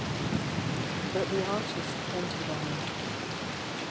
But the artist painted on.